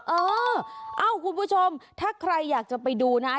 เออเอ้าคุณผู้ชมถ้าใครอยากจะไปดูนะ